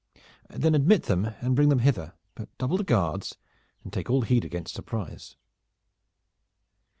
"Then admit them and bring them hither, but double the guards and take all heed against surprise."